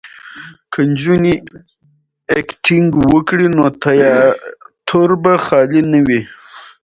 که نجونې اکټینګ وکړي نو تیاتر به خالي نه وي.